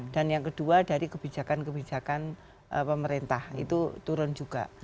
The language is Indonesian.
dan yang kedua dari kebijakan kebijakan pemerintah itu turun juga